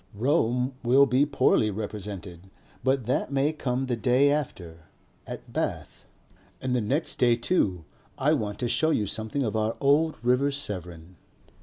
Rome will be poorly represented, but that may come the day after at Bath. And the next day too I want to show you something of our old River Severn.